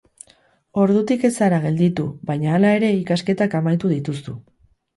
Ordutik ez zara gelditu, baina, hala ere, ikasketak amaitu dituzu.